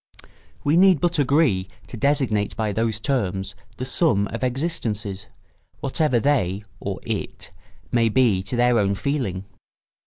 We need but agree to designate by those terms the sum of existences, whatever they (or it) may be to their own feeling.